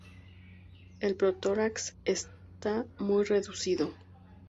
El protórax está muy reducido.